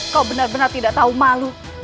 kau benar benar tidak tahu malu